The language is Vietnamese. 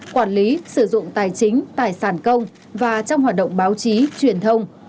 quản lý sử dụng tài chính tài sản công và trong hoạt động báo chí truyền thông